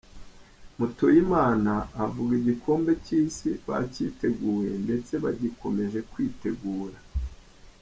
Mutuyimana avuga igikombe cy’Isi bacyiteguye ndetse bagikomeje kwitegura.